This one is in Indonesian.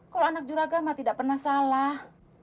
kalau anak juragan mah tidak pernah salah